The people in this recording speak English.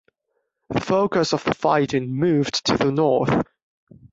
The focus of the fighting moved to the north.